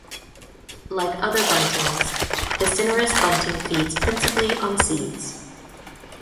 Like other buntings, the cinereous bunting feeds principally on seeds.